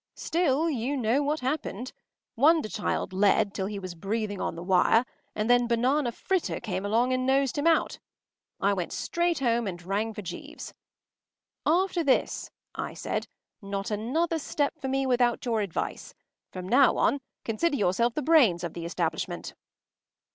Still, you know what happened. Wonderchild led till he was breathing on the wire, and then Banana Fritter came along and nosed him out. I went straight home and rang for Jeeves. “After this,” I said, “not another step for me without your advice. From now on consider yourself the brains of the establishment.